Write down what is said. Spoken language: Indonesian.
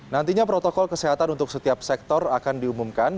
nantinya protokol kesehatan untuk setiap sektor akan diumumkan